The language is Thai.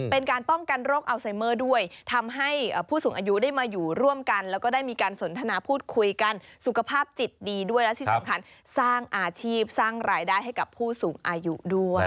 เป็นการป้องกันโรคอัลไซเมอร์ด้วยทำให้ผู้สูงอายุได้มาอยู่ร่วมกันแล้วก็ได้มีการสนทนาพูดคุยกันสุขภาพจิตดีด้วยและที่สำคัญสร้างอาชีพสร้างรายได้ให้กับผู้สูงอายุด้วย